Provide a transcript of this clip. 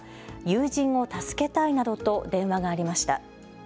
友人を助けたいなどと電話がありました。